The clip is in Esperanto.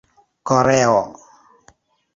koreo